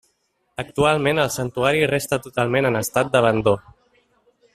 Actualment el santuari resta totalment en estat d'abandó.